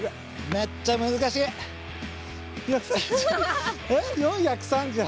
めっちゃむずかしい！４３０え？